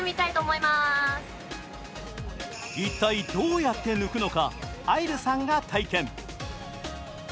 一体どうやって抜くのか、あいるさんが体験。